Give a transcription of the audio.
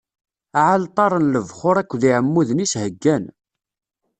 Aɛalṭar n lebxuṛ akked yeɛmuden-is heggan.